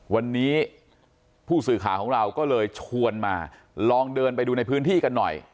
วันนี้ผู้สื่อข่าวของเราก็เลยชวนมาลองเดินไปดูในพื้นที่กันหน่อย